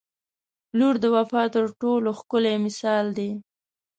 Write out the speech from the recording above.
• لور د وفا تر ټولو ښکلی مثال دی.